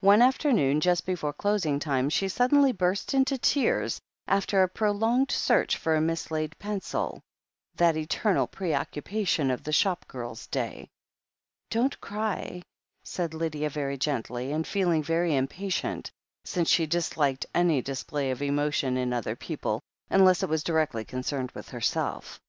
One afternoon, just before closing time, she sud denly burst into tears after a prolonged search for a mislaid pencil — ^that eternal preoccupation of the shop girl's day. "Don't cry," said Lydia very gently, and feeling very impatient, since she disliked any display of emotion in other people — ^unless it was directly concerned with herself.